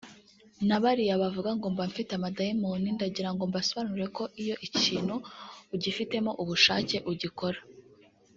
"Na bariya bavuga ngo mba mfite amadayimoni ndagirango mbasobanurire ko iyo ikintu ugifitemo ubushake ugikora’’